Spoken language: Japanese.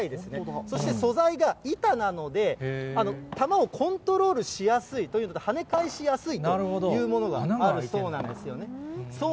そして素材が板なので、球をコントロールしやすいというのと、跳ね返しやすいというものがあるそうなんですよね。